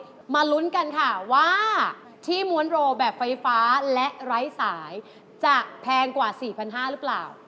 มาลุ้นกันค่ะว่าที่ม้วนโรแบบไฟฟ้าและไร้สายจะแพงกว่า๔๕๐๐หรือเปล่า